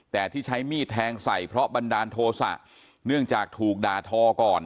แต่ที่ใช้มีดแทงใส่เพราะบันดาลโทษะเนื่องจากถูกด่าทอก่อน